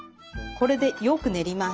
これでよく練ります。